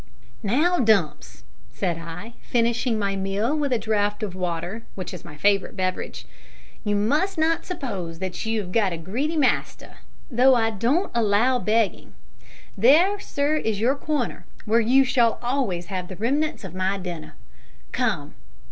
"Now, Dumps," said I, finishing my meal with a draught of water, which is my favourite beverage, "you must not suppose that you have got a greedy master; though I don't allow begging. There, sir, is your corner, where you shall always have the remnants of my dinner come."